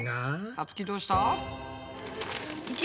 さつきどうした？